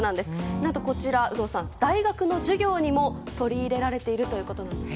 何とこちら、有働さん大学の授業にも取り入れられているということです。